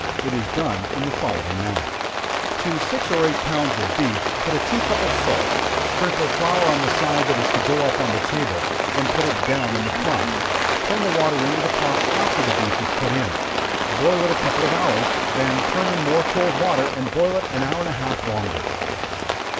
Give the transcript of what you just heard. It is done in the following manner; to six or eight pounds of beef, put a tea cup of salt, sprinkle flour on the side that is to go up on the table, and put it down in the pot, turn the water into the pot after the beef is put in, boil it a couple of hours, then turn in more cold water, and boil it an hour and a half longer.